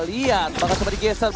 lihat bakal coba digeser